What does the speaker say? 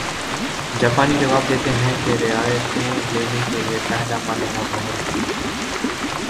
جاپانی جواب دیتے ہیں کہ رعایتیں دینے کے لیے پہلا مرحلہ بہت جلدی تھا